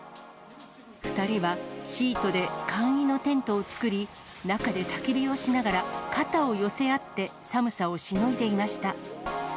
２人はシートで簡易のテントを作り、中でたき火をしながら、肩を寄せ合って寒さをしのいでいました。